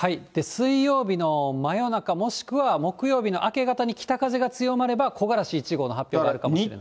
水曜日の真夜中、もしくは木曜日の明け方に北風が強まれば木枯らし１号の発表があるかもしれません。